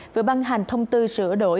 vừa băng hành thông tư sửa đổi